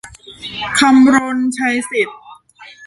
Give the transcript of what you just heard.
คำรณ ชัยสิทธิ์